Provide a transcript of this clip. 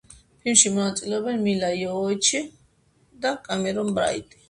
ფილმში მონაწილეობენ: მილა იოვოვიჩი და კემერონ ბრაიტი.